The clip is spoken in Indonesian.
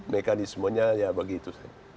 mekanismenya ya begitu